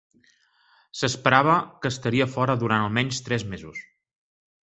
S'esperava que estaria fora durant almenys tres mesos.